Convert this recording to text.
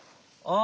あ！